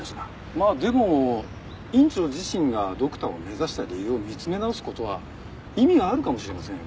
まあでも院長自身がドクターを目指した理由を見つめ直す事は意味があるかもしれませんよ。